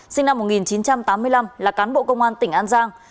sinh năm một nghìn chín trăm tám mươi năm là cán bộ công an tỉnh an giang